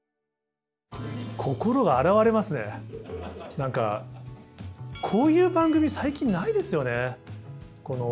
何かこういう番組最近ないですよね。